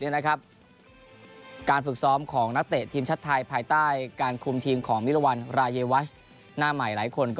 ช่วงเช้าวันนี้